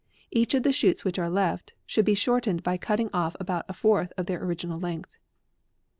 Each of the shoots which are left, should be shortened by cutting offabout a fourth of their original length."